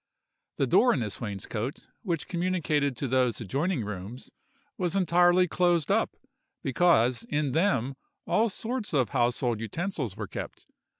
The door in this wainscot, which communicated to those adjoining rooms, was entirely closed up, because in them all sorts of household utensils were kept.